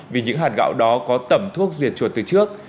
vì những hạt gạo đó có tẩm thuốc diệt chuột từ trước